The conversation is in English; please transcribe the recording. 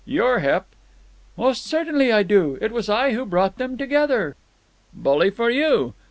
"You're hep." "Most certainly I do. It was I who brought them together." "Bully for you!